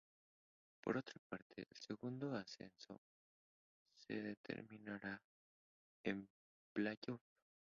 Por otra parte el segundo ascenso se determinará en playoff.